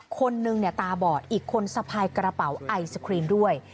คนนึงตาบอดอีกคนสะพายกระเป๋าไอศครีมด้วย